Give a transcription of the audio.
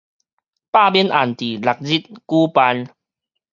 罷免案佇六日舉辦